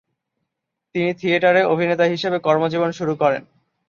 তিনি থিয়েটার এ অভিনেতা হিসেবে কর্ম জীবন শুরু করেন।